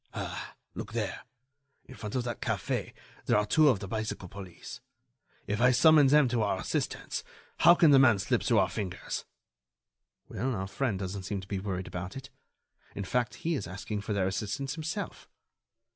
"Ah! Look there! In front of that café there are two of the bicycle police. If I summon them to our assistance, how can the man slip through our fingers?" "Well, our friend doesn't seem to be worried about it. In fact, he is asking for their assistance himself."